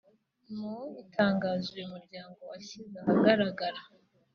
Mu itangazo uyu muryango washyize ahagaragara